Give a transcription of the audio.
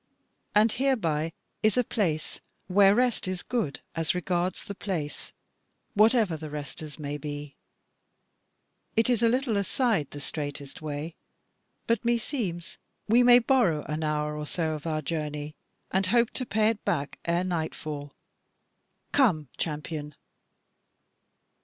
And hereby is a place where rest is good as regards the place, whatever the resters may be; it is a little aside the straightest way, but meseems we may borrow an hour or so of our journey, and hope to pay it back ere nightfall. Come, champion!"